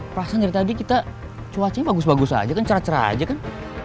perasaan dari tadi kita cuacanya bagus bagus aja kan cerah cerah aja kan